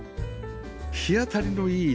日当たりのいい